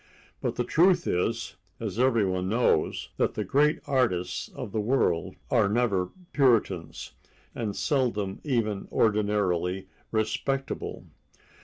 But the truth is, as every one knows, that the great artists of the world are never Puritans, and seldom even ordinarily respectable.